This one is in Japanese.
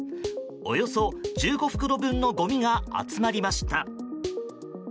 およそ１５袋分のごみが集まりました。